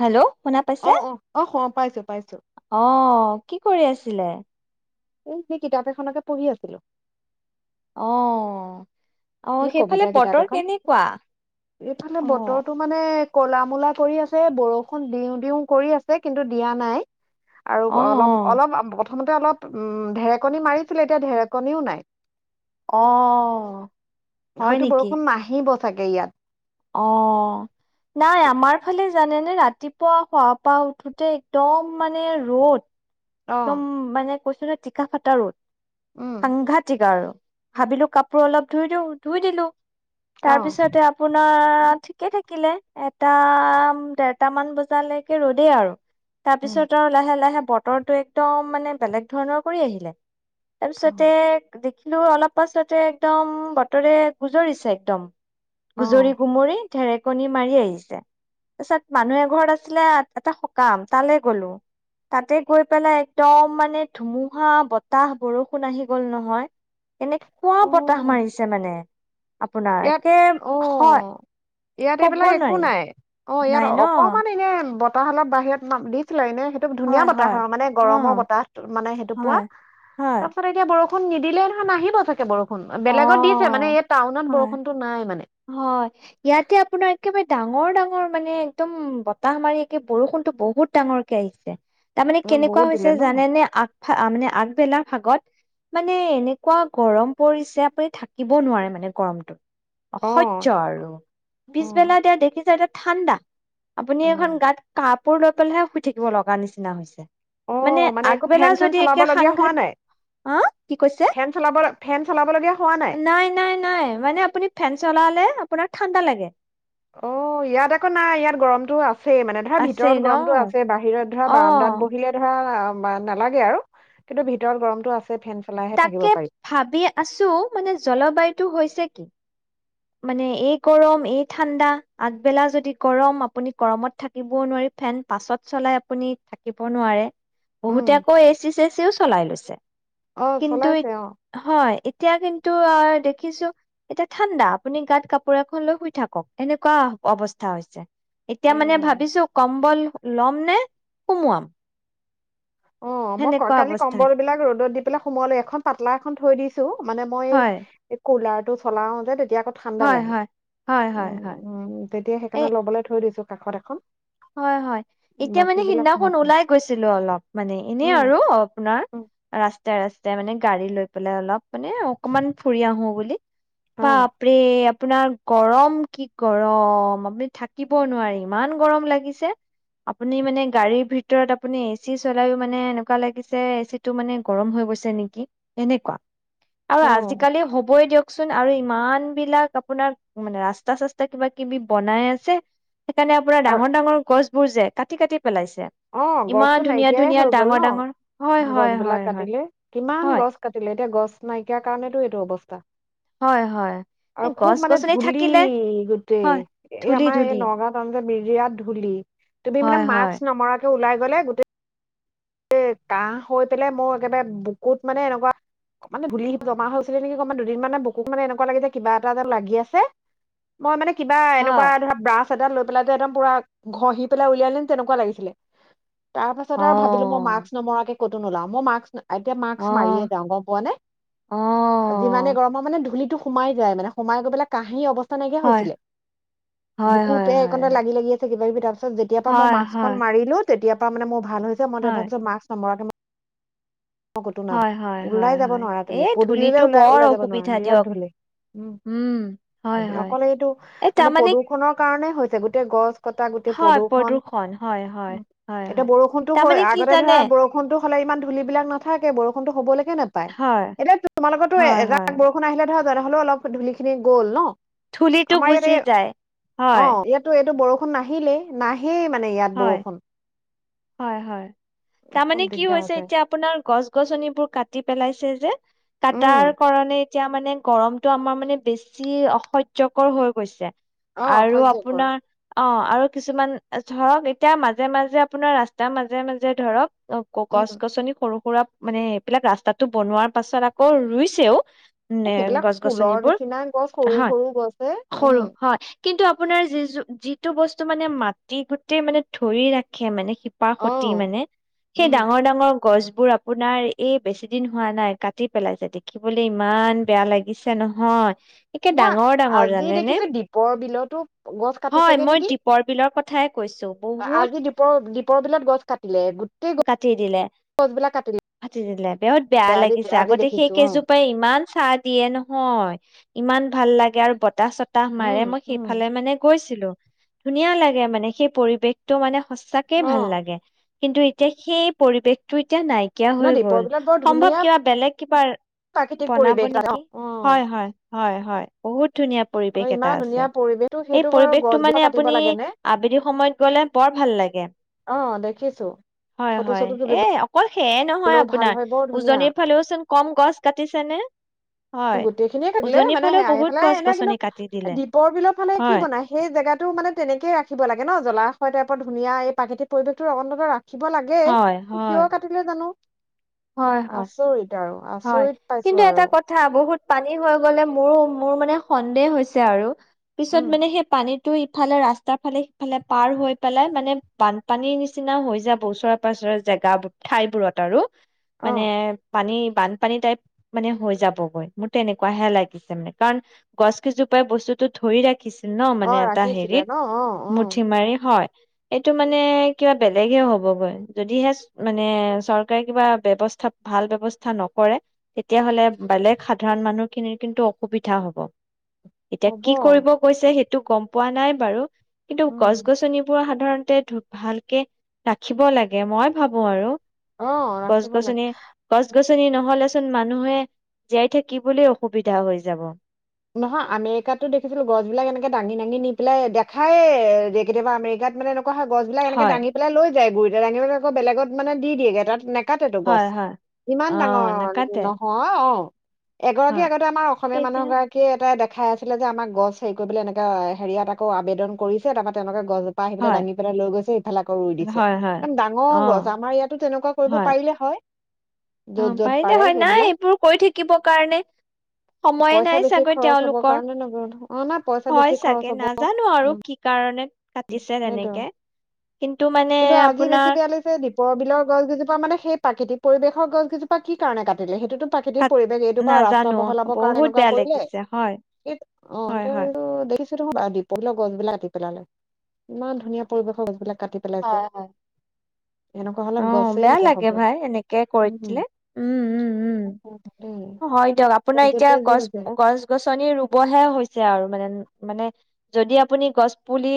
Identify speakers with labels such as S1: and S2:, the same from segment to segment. S1: Hello, শুনা পাইছে?
S2: অ-অ-অ অহ', পাইছো -পাইছো।
S1: অহ ', কি কৰি আছিলে?
S2: এই, সেই কিতাপ এখনকে পঢ়ি আছিলো।
S1: অ', -
S2: এই', কবিতাৰ কিতাপ এখন, এইফালে
S1: অ',
S2: বতৰটো মানে ক'লা- মূলা কৰি আছে, বৰষুণ দিওঁ- দিওঁ কৰি আছে কিন্তু দিয়া নাই।
S1: অ',
S2: আৰু অলপ- অলপ
S1: অ',
S2: অলপ বত, প্ৰথমতে অলপ উম ', ঢেৰেকণি মাৰিছিলে, এতিয়া ঢেৰেকণিও নাই।
S1: অহ',
S2: হয়তো বৰষুণ নাহিব। চাগে ইয়াত,
S1: অ', নাই আমাৰ ফালে। জানে -নে ৰাতিপুৱা শুৱাপা উঠোতে একদম মানে ৰ'দ।
S2: অ
S1: তুম মানে, কৈছিলো টিকাফাটা ৰ'দ।
S2: উম
S1: সাংঘাতিক আৰু ভাবিলো কাপোৰ অলপ ধুই দিওঁ, ধুই দিলো
S2: অ
S1: তাৰপিছতে আপ আপোনাৰ ঠিকে থাকিলে এটা, দেৰটামান বজালৈকে ৰ'দেই আৰু
S2: উম
S1: তাৰপিছত আৰু লাহে লাহে বতৰটো একদম মানে বেলেগ ধৰণৰ কৰি আহিলে তাৰপিছতে, [unintelligible] অলপ পাছতে একদম বতৰে গুজৰিছে একদম
S2: অ
S1: গুজৰি গুমৰি ঢেৰেকনি মাৰি আহিছে, তাৰপিছত মানুহ এঘৰত আছিলে এটা সকাম তালৈ গলো তাতে গৈ পেলাই একদম মানে ধুমুহা বতাহ বৰষুণ আহি গল নহয় এনেকুৱা
S2: অ
S1: বতাহ মাৰিছে মানে আপোনাৰ
S2: ইয়াত
S1: কেম
S2: অ ইয়াত এইবিলাক একো নাই অ ইয়াত
S1: নাই ন
S2: অকমান এনে বত তাহ অল বাহিৰত নাম দিছিলে নে [unintelligible] সেইটো ধুনীয়া
S1: হয় হয়
S2: বতাহৰ আৰু মানে
S1: অ'
S2: গৰমৰ বতাহ মানে সেইটো পোৱা
S1: হয় হয়
S2: তাৰপিছত এতিয়া বৰষু নিদিলে নহয় নাহিব চাগে বৰষুণ বেলেগত দিছে মানে
S1: অ'
S2: এই টাউনত বৰষুণ
S1: হয় ইয়াতে আপোনাৰ একেবাৰে ডাঙৰ ডাঙৰ মানে একদম বতাহ মাৰি একে বৰষুণতটো বহুত ডাঙৰকে আহিছে তাৰমানে
S2: অ
S1: কেনেকুৱা
S2: বহুত দিলে
S1: হৈছে
S2: ন
S1: জানে নে আ মানে আগবেলা ভাগত মানে এনেকুৱা গৰম পৰিছে থাকিব নোৱাৰে মানে গৰমটোত
S2: অ
S1: অসজ্য আৰু
S2: অ
S1: পিছবেলা এতিয়া দেখিছে নে ঠাণ্ডা আপুনি
S2: অ
S1: এখন গাত কাপ কাপোৰ লৈ পেলাইহে শুই থাকিব লগা নিচিনা হৈছে
S2: অ
S1: মানে
S2: একো ফেন
S1: আগবেলা
S2: চেন
S1: যদি
S2: চলাব
S1: একে
S2: লগীয়া হোৱা
S1: সাংঘাত,
S2: নাই
S1: আ কি কৈছে?
S2: ফেন চলাব ফেন চলাব লগীয়া হোৱা নাই
S1: নাই-নাই-নাই, মানে আপুনি ফেন চলা আপোনাৰ ঠাণ্ডা লাগে
S2: অ ইয়াত আকৌ নাই ইয়াত গৰমতটোও আছে ছে মানে ধৰা
S1: আছে
S2: ভিতৰত
S1: ন
S2: গৰমতটো আছে বাহিৰত ধৰা
S1: অ
S2: বাৰাণ্ডাত বহিলে ধৰা নালাগে আৰু কিন্তু ভিতৰত গৰমটো আছে ফেন চলাইহে থাকিব
S1: তাকে
S2: পাৰি
S1: ভাবি আছো মানে জলবায়ুতো হৈছে কি। মানে এই গৰম এই ঠাণ্ডা আগবেলা যদি গৰম আপুনি গৰমত থাকিবও নোৱাৰি ফেন পাছত চলাই আপুনি থাকিব নোৱাৰে। বহুতে
S2: উম
S1: আকৌ এচি চেচিও চলাই লৈছে।
S2: অ'
S1: কিন্তু, ই
S2: চলাইছে অ'
S1: হয় ই এতিয়া কিন্তু অ দেখিছো এতিয়া ঠাণ্ডা। আপুনি গাত কাপোৰ এখন লৈ শুই থাকক এনেকুৱা অৱস্থা হৈছে, এতিয়া মানে
S2: উম
S1: ভাবিছো কম্বল লম নে সুমুৱাম?
S2: অ', মই ক
S1: সেনেকুৱা
S2: কালি
S1: অৱস্থা
S2: কম্বল
S1: হৈছে।
S2: বিলাক ৰ'দত দি পেলাই সোমোৱালো এখন পাতলা এখন থৈ দিছো মানে মই
S1: হয়
S2: কুলাৰ টো চলাও যে এতিয়া আকৌ ঠাণ্ডা
S1: হয়
S2: লাগে।
S1: হয় হয়
S2: উ,
S1: হয় হয়
S2: উম তেতিয়া
S1: এ
S2: সেইকাৰণে লবলে থৈ দিছো কাষত এখন
S1: হয় হয়, এতিয়া
S2: বাকী
S1: মানে
S2: বিলাক
S1: সিদিনাখন
S2: সোমাইছে
S1: ওলাই গৈছিলো অলপ। মানে ইনে
S2: উম
S1: আৰু আপোনাৰ
S2: উম
S1: ৰাস্তাৰ ৰাস্তাই মানে গাড়ী লৈ পেলাই অলপ মানে অকমান ফুৰি আহো বুলি
S2: অ'
S1: বাপৰে আপোনাৰ গৰম কি গৰম, আপুনি থাকিব নোৱাৰে ইমান গৰম লাগে। আপুনি মানে গাড়ীৰ ভিতৰত আপুনি এচি চলাইয়ো মানে এনেকুৱা লাগিছে এচি টো মানে গৰম হৈ গৈছে নেকি, এনেকুৱা আৰু
S2: অ'
S1: আজিকালি হ'বই দিয়ক ককচোন আৰু ইমান বিলাক আপোনাৰ মানে ৰাস্তা চাস্তা কিবা কিবি বনাই আছে সেইকাৰণে আপোনাৰ
S2: আ-
S1: ডাঙৰ-ডাঙৰ গছবোৰ যে, কাটি কাটি পেলাইছে।
S2: অ',
S1: ইমান
S2: গছটো
S1: ধুনীয়া
S2: নাইকিয়াই
S1: ধুনীয়া
S2: হৈ গল
S1: ডাঙৰ
S2: ন?
S1: ডাঙৰ হয়
S2: গছ
S1: হয়
S2: বিলাক
S1: হয় হয়
S2: কাটিলে, কিমান
S1: হয়
S2: গছ কাটিলে এতিয়া গছ নাইকিয়াৰ কাৰণেতো এইটো অৱস্থা।
S1: হয় হয়।
S2: আৰু
S1: এই
S2: খুব মানে
S1: গছ-গছনি
S2: ধূলি
S1: থাকিলে
S2: গোটেই
S1: হয়
S2: এই
S1: ধূলি
S2: আমাৰ
S1: ধূলি
S2: এই নগাঁও [unintelligible] বিৰাত ধূলি। তুমি মানে
S1: হয় হয়।
S2: [unintelligible] মৰাটো ওলাই গ'লে গোটেই এ কাহ হৈ পেলাই মোৰ একেবাৰে বুকুত মানে এনেকুৱা, অ', ধূলি জমা হৈছিলে নেকি, অকমান দুদিন মান মানে বুকুত মানে এনেকুৱা লাগে যে কিবা এটা যেন লাগি আছে। মই মানে কিবা এনেকুৱা
S1: হয়,
S2: ধৰা ব্ৰাছ টা লৈ পেলাই যে একদম পুৰা ঘঁহি পেলাই উলিয়াই আনিম তেনেকুৱা লাগিছিলে তাৰ পাছত আৰু ভাব বোলো মই মাক্ক
S1: অ',
S2: নমৰাৰাকে কতো নোলাউ মই মাস্ক এতিয়া মাস্ক মাৰিয়ে
S1: অ',
S2: যাওঁ গম পোৱা নে যিমানে
S1: অ',
S2: গৰমৰ মানে ধূলিতটো সোমাই যায় মানে সোমাই গৈ পেলাই কাহী অৱ অবস্থা নাইকিয়া
S1: হয়,
S2: হৈছিলে
S1: হয়, হয়,
S2: বুকুতে
S1: হয়,
S2: এইকনতে লাগি লাগি আছে কিবা কিবি ত যেতিয়াৰ পৰা মই
S1: হয়, হয়,
S2: মাক্সখন
S1: হয়,
S2: মাৰিলো তেতিয়া তাৰ মানে মোৰ ভাল হৈ মই তো এইবা
S1: হয়,
S2: ভাবছো মাস্ক নামৰাকে মই অ কতো না
S1: হয়,
S2: ওলাই
S1: হয়,
S2: যাব
S1: হয়,
S2: নোৱাৰা তুমি
S1: এই
S2: পদূুলিলে
S1: ধূলিটো
S2: ওলাই
S1: বৰ
S2: ওলাই যাব নোৱাৰা
S1: অসুবিধা
S2: বিৰাট
S1: দিয়ক,
S2: ধুলি উম
S1: হয়, হয়,
S2: অকল এইটো
S1: এই
S2: মানে
S1: তাৰমানে
S2: প্ৰদূৰ্ষণৰ কাৰণে হৈছে গোটেই গছ কটা গোটেই
S1: হয়,
S2: প্ৰদূৰ্ষন
S1: প্ৰদূষণ হয়, হয়,
S2: উ
S1: হয়,
S2: এতিয়া
S1: হয়,
S2: বৰষুণতটো হৈ
S1: তাৰমানে কি
S2: আগতে
S1: জানে?
S2: ধৰা বৰষুণতটো ফালে ইমান ধূল বিলাক ন থাকে বৰষুণ টো হবলৈ নেপায়
S1: হয়,
S2: এতিয়া তোমালোকৰো
S1: হয়, হয়,
S2: এজাক বৰষুণ আহিলে ধৰ তেনেহ'লে অলপ ধুলি খিনি গল ন
S1: ধুলি টো
S2: আমাৰ ইয়াতে
S1: গুচি যায় হয়
S2: নাহিলে নাই
S1: হয় হয় হয় তাৰ
S2: খুব
S1: মানে কি
S2: দিগদাৰ হৈ
S1: হৈছে
S2: যায়
S1: এতিয়া আপোনাৰ গছ গছনিবোৰ কাটি পেলাইছে যে
S2: উম
S1: কটাৰ কাৰণেই এতিয়া মানে গৰমতটো আমাৰ মানে বেছি অসহ্যকৰ হৈ গৈছে
S2: অ
S1: আৰু
S2: অসহ্যকৰ
S1: আপোনাৰ অ আৰু কিছুমান ধৰক এতিয়া মাজে মাজে আপোনাৰ ৰাস্তা মাজে মাজে ধৰক অহ ক
S2: উম
S1: গছ গছনি সৰু পুৰা মানে এইবিলাক ৰাস্তাটো বনোৱাৰ পাছত আকৌ ৰুইছেও নে
S2: সেইবিলাক
S1: গছ
S2: ফুলৰ
S1: গছনিবোৰ
S2: নিচিনা গছ সৰু
S1: হা
S2: সৰু গছে
S1: সৰু
S2: উম
S1: হয় কিন্তু আপোনাৰ যিযো যিটো বস্তু মানে মাত টি গোটেই মানে ধৰি ৰাখে মানে শিপা
S2: অ
S1: সতি মানে সেই
S2: উম
S1: ডাঙৰ ডাঙৰ গছবোৰ আপোনাৰ এই বেছিদিন হোৱা নাই কাটি পেলাইছে দেখিবলৈ ইমান বেয়া লাগিছে নহয় একে
S2: মই
S1: ডাঙৰ ডাঙৰ
S2: আজি
S1: জানেনে
S2: দেখিছেো দীপৰ বিলতো গছ কাটি চেগে নেকি
S1: কৈছোঁ বহুত
S2: আজি দীপৰ দীপৰ বিলত গছ কাটিলে গোটেই
S1: কাটি দিলে
S2: গছ বিলাক কাটিলে
S1: কাটি দিলে বিহত বেয়া
S2: আজি
S1: লাগিছে
S2: আজি
S1: আগতে সেই
S2: দেখিছো অ
S1: কেইজোপাই ইমান ইমান চাহ দিয়ে নহয় ইমান ভাল লাগে আৰু বতাহ চত বতাহ মাৰে
S2: উম
S1: মই
S2: উম
S1: সেইফালে মানে গৈছো ধুনীয়া লাগে মাত সেই পৰিৱেশটো মানে, সচাকে
S2: অ
S1: ভাল লাগে। কিন্তু এতিয়া সেই পৰিৱেশটো এতিয়া নাইকিয়া
S2: ন
S1: হৈ
S2: দীপৰ
S1: গল
S2: বিলত বৰ
S1: সম্ভৱ
S2: ধুনীয়া
S1: কিবা বেলেগ কিবা
S2: প্ৰাকৃতিক
S1: বনাব
S2: পৰিৱেশ অ
S1: নেকি?
S2: অ
S1: হয়-হয়-হয়-হয়, বহুত ধুনীয়া
S2: অ
S1: পৰিৱেশ এটা
S2: ইমান
S1: আছে
S2: ধুনীয়া পৰিৱেশটো
S1: এই
S2: সেইটো বাৰু
S1: পৰিৱেশটো মানে
S2: গছজোপা কাটিব
S1: আপুনি
S2: লাগে নে
S1: আবেলি সময়ত গলে বৰ ভাল লাগে
S2: অ দেখিছো ফটো
S1: হয়-হয়,
S2: চটো
S1: এ
S2: তুলিবলৈও
S1: অকল সেয়ে নহয়
S2: ভাল
S1: আপোনাৰ
S2: হয় বৰ ধুনীয়া
S1: উজনিৰ ফালেওচোন কম গছ কাটিছে নে? হয়
S2: গোটেই খিনিয়ে কাটিলে
S1: উজনিৰ
S2: মানে
S1: ফালেও বহুত
S2: সেইইফালে
S1: গছ
S2: এনে
S1: গছনি
S2: কিন্তু
S1: কাটি দিলে
S2: দ্বীপৰ বিলৰ ফালে কি
S1: হয়
S2: বনাই, সেই জেগাতটো মানে তেনেকে ৰাখিব লাগে ন জলাসয় টাইপত ধুনীয়া এই প্ৰাকৃতিক পৰিৱেশটো অনন্তত ৰাখ ৰাখিব লাগে, কিয় কাটিলে জানো? আচৰিত আৰু
S1: হয়-হয়-হয়,
S2: আচৰিত পাইছো
S1: কিন্তু
S2: আৰু
S1: এটা কথা বহুত পানী হৈ গ'লে মোৰ-মোৰ মানে সন্দেহ হৈছে আৰু। পিছত
S2: উম
S1: মানে সেই পানীত তটো ইফালে ৰাস্তাৰ ফালে সিফালে পাৰ হৈ পেলাই মানে বানপানীৰ নিচিনা হৈ যাব, ওচৰে-পাচৰে জেগা ঠাইবোৰত আৰু।
S2: অ
S1: মানে পানী বানপানী টাইপ মানে হৈ যাবগৈ মোৰ তেনেকুৱ হে লাগিছে। মানে কাৰণ গছকিজোপাই বস্তুতো ধৰি ৰা ৰাখিছিল ন মানে
S2: অ
S1: এটা
S2: ৰাখিছিলে
S1: হেৰিত
S2: ন অ অ
S1: মুঠি মাৰি হয়। এইটো মানে কিবা বেলেগে হ'বগৈ যদিহে চ মানে চৰকাৰ চৰকাৰে কিবা বৱস্থা ভাল ব্যৱস্থা নকৰে, তেতিয়াহলে বেলেগ সাধাৰণ মানুহ খিনিৰ কিন্তু অসুবিধা হ'ব। এতিয়া
S2: হ'ব
S1: কি কৰিব গৈছে, সেই টো গম পোৱা নাই বাৰু। কিন্তু
S2: উম
S1: গছ-গছনিবোৰ সাধাৰণতে ধপ ভালকে ৰাখিব লাগে মই ভাবো আৰু।
S2: অ ৰাখিব লাগে
S1: গছ-গছনি, গছ-গছ গছ- গছনি নহলেচোন মানুহে জীয়াই থাকিবলৈ অসুবিধা হৈ যাব।
S2: নহয় আমেৰিকাতো দেখিছিলো গছ বিলাক এনেকে দাঙি-দাঙি নি পেলাই দেখায়ে, কেতিয়াবা আমেৰিকাত মানে এ ক গছিলাক এনেক
S1: হয়
S2: দাঙি পেলাই যায়, গুৰি আনিব আকৌ বেলেগত মানে দি দিয়ে তাত। নেকাতেটো গছ
S1: হয় হয়।
S2: ইমান
S1: অহ
S2: ডাঙৰ
S1: নাকাটে
S2: নহয়। অ', এগৰাকী
S1: হয়
S2: আগতে আমাৰ অসমীয়া মানুহৰ
S1: এতিয়া
S2: গৰাকী এটা দেখাই আছিলে যে আমাক গছ হেৰি কৰিবলৈ এনেকা হেৰিয়াত আকৌ আবেদন কৰিছে তাৰ পা তেওঁলোকে গছজোপা আহি পেলাই
S1: হয়
S2: দাঙি পেলাই লৈ গৈছে ইফালে আকৌ ৰুই দিছে,
S1: হয় হয়।
S2: একদম
S1: অ
S2: ডাঙৰ গছ আমাৰ ইয়াতো তেনেকুৱা কৰিব পাৰিলে হয়। য'ত
S1: অ'
S2: য'ত
S1: পাৰিলে
S2: পাৰে
S1: হয়। নাই
S2: সেইবিলাক
S1: এইবোৰ কৰি থাকিব কাৰণে সময়ে
S2: পইচা
S1: নাই
S2: বেছি
S1: চাগৈ। হয়
S2: খৰচ হব
S1: তেওঁলোকৰ
S2: কাৰণে নব অ নাই পইচা বেছি
S1: হয়
S2: খৰচ
S1: চাগে
S2: হব
S1: নাজানো আৰু কি কাৰণে। কাটিছে
S2: সেইটো
S1: তেনেকে কিন্তু মানে
S2: কিন্তু আজি বেছি
S1: আপোনাৰ
S2: বেয়া লাগিছে দীপৰ বিলৰ গছ গজোপা মানে সেই পাত খেতি পৰিৱেশৰ গছ কেইজোপা কি কাৰণে কাটিলে? এইটো প্ৰাকৃতিক
S1: কাট
S2: পৰিৱেশ এইটো বা ৰাস্তা
S1: নাজানো
S2: বহলাবৰ কাৰণে
S1: বহুত
S2: এনেকুৱা
S1: বেয়া
S2: কৰিলে
S1: লাগিছে হয়
S2: এই
S1: হয় হয়।
S2: টো [unintelligible] বা দ্ীপৰ বিলৰ গছ বিলাক কাতি পেলালে। ইমান ধুনীয়া পৰিৱেশৰ গছবিলাক কাটি পেলাইছে।
S1: হয় হয়।
S2: এনেকুৱা হলে
S1: অ
S2: গছেই
S1: বেয়া
S2: নাইকিয়া
S1: লাগে
S2: হব
S1: ভাই, এনেকে কৰি থাকিলে
S2: উম
S1: উম উম উম
S2: দেই
S1: হয় দিয়ক
S2: য'ত
S1: আপোনাৰ এতিয়া
S2: য'তে যি
S1: গছ
S2: হৈছে
S1: গছ গছনি ৰুবহে হৈছে আৰু মানে, মানে, যদি আপুনি গছ পুলি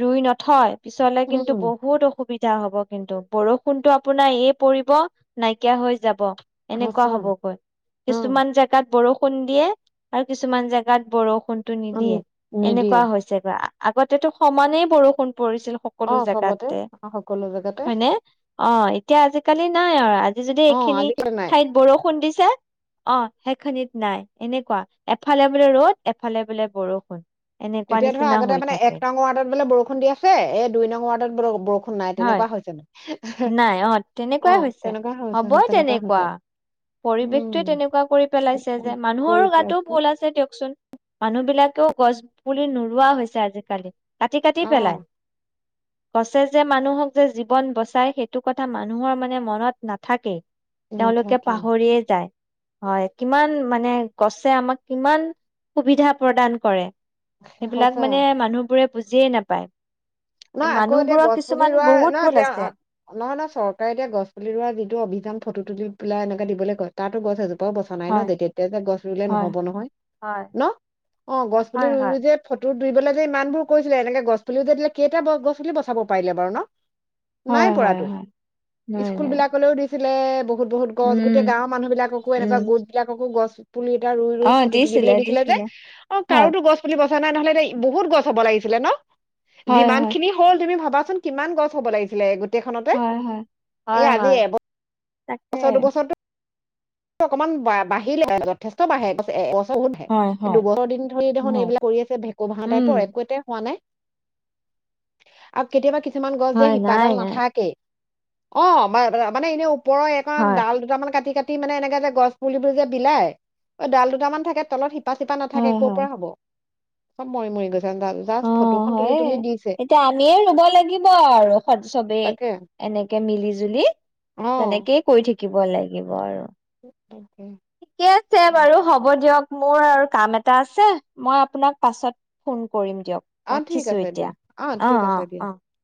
S1: ৰুই নথয় পিছলৈ কিন্তু
S2: উম
S1: বহুত অসুবিধা হব কিন্তু বৰষুণটো আপোনাৰ এয় পৰিব নাইকিয়া হৈ যাব। এনেকুৱা
S2: সঁচা
S1: হবগৈ
S2: অ
S1: কিছুমান জেগাত বৰষুণ [inaudible] খুন্দিয়ে আৰু কিছুমান জেগাত বৰষুণ। ফোনটো
S2: উম,
S1: নিদিয়ে
S2: নিদিয়ে
S1: এনেকুৱা হৈছে ব আগতে টো সমানেই বৰষুণ। পৰিছিল
S2: অ
S1: সকলো
S2: চবতে
S1: জেগাতে
S2: অ সকলো জেগাতে
S1: হয়নে, অ' এতিয়া আ [unintelligible] জিকালি নাই আৰু যদি
S2: অ
S1: এইখিনি
S2: আজিকালি নাই
S1: ঠাইত বৰষুণ দিছে, ক [unintelligible] অ' সেইখিনিত বোলে নাই। এনেকুৱা, এফালে বোলে ৰ'দ এফালে বোলে বৰষুণ। এনেকুৱা
S2: এতিয়া ধৰা,
S1: নিচিনা
S2: আগতে
S1: হৈ
S2: মানে
S1: থাকে
S2: এক নং ৱ্ডত বোলে বৰষুণ দি আছে এ দুই নংৰ ৱ্ডত বৰষুণ নাই
S1: হয়
S2: তেনেকুৱা হৈছে মানে
S1: নাই অ তেনেকুৱাই হৈছে
S2: তেনেকুৱা হৈছে
S1: হ'বই তেনেকুৱা
S2: হৈছে
S1: পৰিৱেশটোৱে
S2: উম
S1: তেনেকুৱা কৰি পেলাইছে যে মানুহৰ
S2: কৰি পেলাই
S1: গাতো ভুল আছে দিয়কচোন [unintelligible] [unintelligible] মানুহ বিলাকেও গছ পুলি নোোৰোৱা হৈছে আজিকালি [inaudible] কাটি, কাটি
S2: অ
S1: পেলাই। গছে, যে মানুহক যে জীৱন বচাই সেইটো কথা মানুহৰ মানে মনত নাথাকেই তেওঁলোকে
S2: নাথাকে
S1: পাহৰিয়ে যায়। হয়, কিমান মানে গছে আমাক কিমান সুবিধা প্ৰদান কৰে। সেইবিলাক
S2: সঁচা
S1: মানে মানুহবোৰে [unintelligible] বুজিয়ে নেপায়
S2: নহয় আকৌ এতিয়া গছ পুলি ৰোৱা ন নহয়
S1: ভুল
S2: তেওঁ
S1: আছে
S2: অ, নহয় নহয় চৰকাৰে এতিয়া গছ পুলি যিটো অভিযান তুলি পেলাই এনেকে দিবলৈ কয় তাতো গছ এজোপা এজোপাও বচা নাই ন
S1: হয়
S2: যেতিয়া তেতিয়া যে গছ ৰুলে
S1: হয়
S2: নহ'ব নহয়
S1: হয়
S2: ন, অ গছ পুলি
S1: হয়
S2: ৰুই
S1: হয়
S2: ৰুই যে ফটো দৰিবলে যে ইমানবোৰ কৰিছিলে এনেকে গছপুলিও যে দিলে কেইটা গছপুলা বচাব পাৰিলে বাৰু ন নাই
S1: হয় হয়
S2: পৰাটো
S1: হয় নাই
S2: স্কুল
S1: নাই
S2: বিলাকলৈও দিছিল এইফালে বহুত বহুত গছ
S1: উম
S2: গোটেই গাঁৱৰ মানহবিলাককো এনেকুৱা
S1: উম
S2: গোটবিলাককো গছ পুলি এটা ৰুই ৰুই ফটো তুলিবলৈ দিছিলে যে অ
S1: হয়
S2: কাৰোতো গছ পুলি বচা একন নহলে যে বহুত গছ হ'ব লাগিছিলে ন
S1: হয়
S2: যিমান
S1: হয়
S2: খিনি হ'ল তুমি ভাবা চোৱাচোন কিমান গছ হ'ব লাগিছিলে এই গোটেইখনতে
S1: হয় হয়
S2: এই
S1: হয়
S2: আজি
S1: হয় তাকে
S2: এব--ছ দু বছৰতো অকমান বাঢ়িলে যথেষ্ট বাঢ়ে
S1: হয় হয়
S2: দুবছৰ দিন ধৰি দেখোন
S1: হয়
S2: এইবিলাক কৰি আছে ভেকু ভাও
S1: উম
S2: টাইপৰ একো এ হোৱা নাই আৰু কেতিয়াবা কিছু কিছুমান গছ যে
S1: হয় নাই
S2: শিপাডাল
S1: নাই
S2: নাথাকেই অ [unintelligible] ওপৰৰ এখন
S1: হয়
S2: ডাল দুটামান কাটি কাটি [inaudible] মানে এনেকে যে গছ পুলিবোৰ যে বিলাই ডাল দুটামান থাকে তলত তিপা চিপা নাথাকে
S1: হয়
S2: ক'ৰ
S1: হয়
S2: পৰা হ'ব চব মৰি মৰি গৈছে
S1: অ
S2: জাষ্ট ফটোখন তুলি
S1: হয়ে
S2: তুলি দিছে
S1: এতিয়া আমিয়ে ৰুব লাগিব আৰু স চবেই
S2: তাকে
S1: এনেকে মিলি জুলি
S2: অ
S1: তেনেকেই কৰি থাকিব শিকিব লাগিব আৰু
S2: [inaudible]
S1: ঠিকে আছে বাৰু হ'ব দিয়ক মোৰ আৰু কাম এটা আছে মই আপোনাক পাছত ফোন কৰিম
S2: অ
S1: দিয়ক
S2: ঠিক
S1: ৰাখিছো
S2: আছে দিয়া
S1: এতিয়া
S2: অ ঠিক
S1: অঁ অঁ
S2: আছে
S1: অঁ
S2: দিয়া